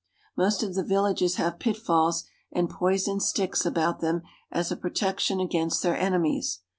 Most of the villages have pitfalls and poisoned sticks about them as a protection against their enemies.